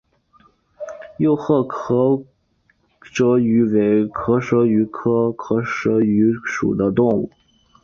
幼赫壳蛞蝓为壳蛞蝓科赫壳蛞蝓属的动物。